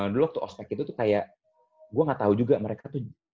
dulu waktu ospek itu tuh kayak gue nggak tau juga mereka tuh